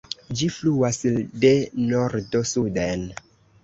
Ĝi fluas de nordo suden.